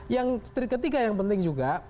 yang ketiga yang penting juga